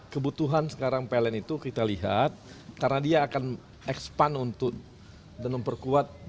kebutuhan sekarang pln itu kita lihat karena dia akan ekspan untuk dan memperkuat